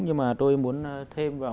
nhưng mà tôi muốn thêm vào